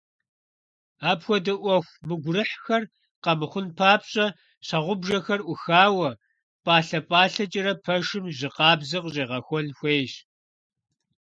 Апхуэдэ Ӏуэху мыгурыхьхэр къэмыхъун папщӀэ, щхьэгъубжэхэр Ӏухауэ, пӀалъэ-пӀалъэкӀэрэ пэшым жьы къабзэ къыщӀегъэхуэн хуейщ.